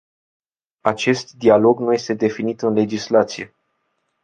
Acest dialog nu este definit în legislație.